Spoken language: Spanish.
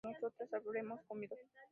nosotras habremos comido